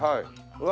うわ！